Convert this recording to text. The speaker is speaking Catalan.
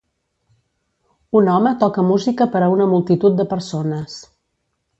Un home toca música per a una multitud de persones.